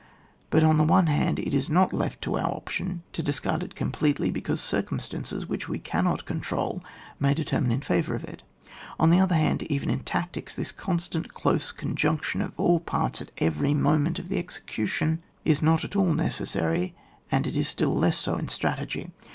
But on the one hand, it is npt left to our option to discard it completely, because circumstances, which we cannot control, may determine in favour of it ; on the other hand, even in tactics, this constant close conjunction of all parts at every moment of the execution, is not at all necessary, and it is still less so in strategy.